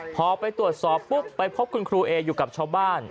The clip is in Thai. พอไปตรวจสอบปุ๊บไปพบคุณครูเออยู่กับชาวบ้าน